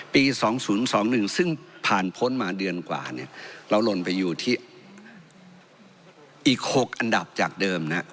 ๒๐๒๑ซึ่งผ่านพ้นมาเดือนกว่าเราหล่นไปอยู่ที่อีก๖อันดับจากเดิม